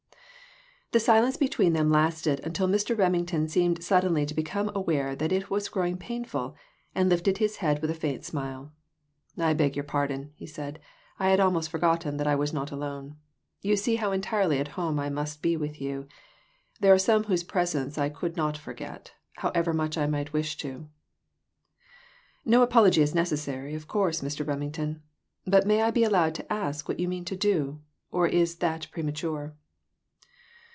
The silence between them lasted until Mr. Remington seemed suddenly to become aware that it was growing painful, and lifted his head with a faint smile. "I beg your pardon," he said ;" I had almost forgotten that I was not alone. You see how entirely at home I must be with you ; there are some whose presence I could not forget, however much I might wish to." "No apology is necessary, of course, Mr. Rem ington ; but may I be allowed to ask what you mean to do ; or is that premature